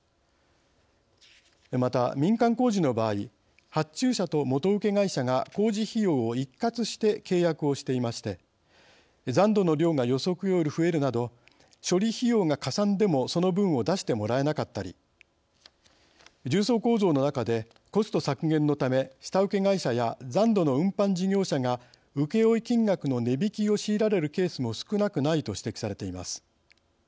また民間工事の場合発注者と元請け会社が工事費用を一括して契約をしていまして残土の量が予測より増えるなど処理費用がかさんでもその分を出してもらえなかったり重層構造の中でコスト削減のため下請け会社や残土の運搬事業者が請負金額の値引きを強いられるケースも少なくないと指摘されています。